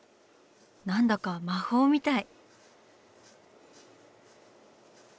何だか魔法みたい。